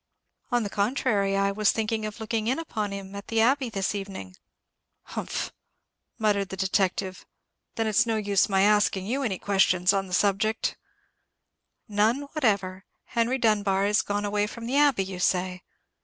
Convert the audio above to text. "On the contrary, I was thinking of looking in upon him at the Abbey this evening." "Humph!" murmured the detective, "then it's no use my asking you any questions on the subject?" "None whatever. Henry Dunbar is gone away from the Abbey, you say?